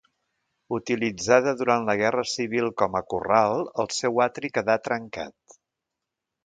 Utilitzada durant la guerra civil com a corral, el seu atri quedà trencat.